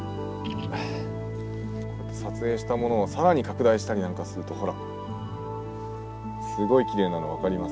こうやって撮影したものを更に拡大したりなんかするとほらすごいきれいなの分かります？